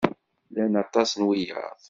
Llan aṭas n wiyaḍ.